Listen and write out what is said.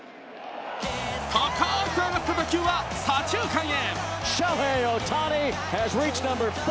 高く上がった打球は左中間へ。